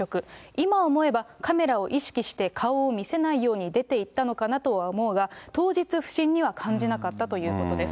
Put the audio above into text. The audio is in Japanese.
今思えば、カメラを意識して顔を見せないように出ていったのかなとは思うが、当日不審には感じなかったということです。